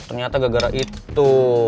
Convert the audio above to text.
ternyata gak gara itu